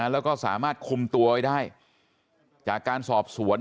แล้วก็สามารถคุมตัวไว้ได้จากการสอบสวน